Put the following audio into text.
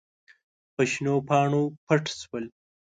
په شنو پاڼو پټ شول.